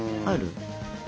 ある？